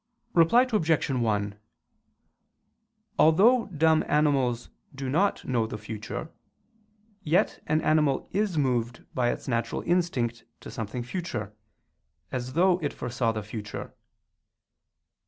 Reply Obj. 1: Although dumb animals do not know the future, yet an animal is moved by its natural instinct to something future, as though it foresaw the future.